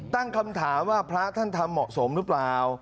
ตั้งคำถามว่าพระท่านทำเหมาะสมหรือเปล่า